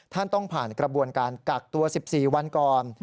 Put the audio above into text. ต้องผ่านกระบวนการกักตัว๑๔วันก่อน